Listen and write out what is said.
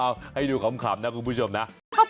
เอ้าให้ดูขอบคลับนะคุณผู้ชมนะ